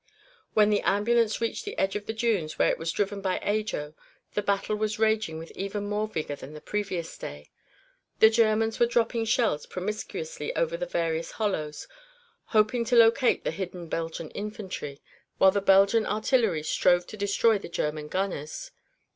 When the ambulance reached the edge of the dunes, where it was driven by Ajo, the battle was raging with even more vigor than the previous day. The Germans were dropping shells promiscuously into the various hollows, hoping to locate the hidden Belgian infantry, while the Belgian artillery strove to destroy the German gunners.